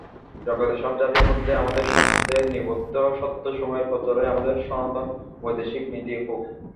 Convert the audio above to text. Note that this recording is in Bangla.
জগতের সব জাতির মধ্যে আমাদের শাস্ত্রে নিবদ্ধ সত্যসমূহের প্রচারই আমাদের সনাতন বৈদেশিক নীতি হউক।